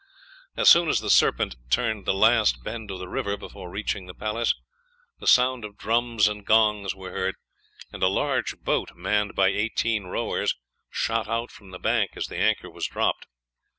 As soon as the Serpent turned the last bend of the river before reaching the place, the sound of drums and gongs was heard, and a large boat, manned by eighteen rowers, shot out from the bank as the anchor was dropped.